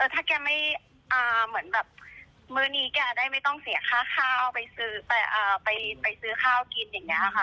ถ้าแกไม่เหมือนแบบมื้อนี้แกได้ไม่ต้องเสียค่าข้าวไปซื้อข้าวกินอย่างนี้ค่ะ